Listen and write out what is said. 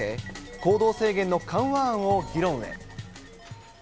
行動制限の緩和案を議論へ。